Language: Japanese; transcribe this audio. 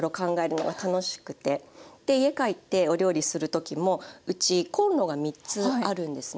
で家帰ってお料理する時もうちコンロが３つあるんですね。